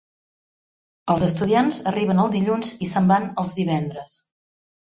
Els estudiants arriben el dilluns i se'n van els divendres.